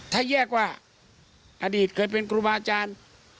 ถ้าแยกว่าอดีตเคยเป็นครูบาอาจารย์